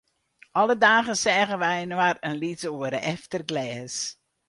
Alle dagen seagen wy inoar in lyts oere, efter glês.